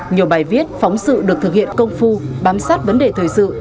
nhiều bài viết phóng sự được thực hiện công phu bám sát vấn đề thời sự